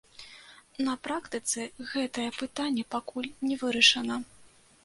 На практыцы гэтае пытанне пакуль не вырашана.